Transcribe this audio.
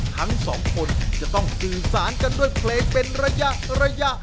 ทั้งสองคนจะต้องสื่อสารกันด้วยเพลงเป็นระยะระยะ